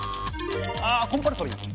あコンパルソリー。